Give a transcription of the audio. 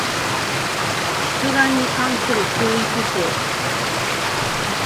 出願に関する注意事項